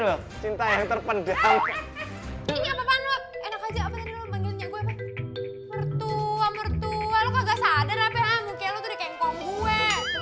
loh cinta yang terpendam ini apa apaan lu enak aja apa tadi lu panggilnya gue